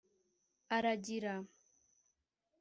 Aragira